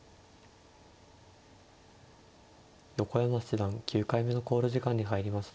横山七段９回目の考慮時間に入りました。